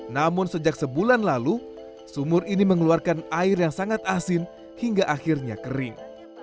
namun sejak sebulan lalu sumur ini mengeluarkan air yang sangat asin hingga akhirnya kering